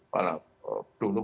dulu pak presiden ini